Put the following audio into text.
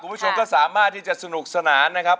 คุณผู้ชมก็สามารถที่จะสนุกสนานนะครับ